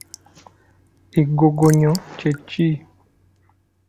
Egogonyo kye ki?